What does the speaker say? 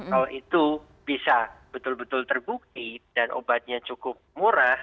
kalau itu bisa betul betul terbukti dan obatnya cukup murah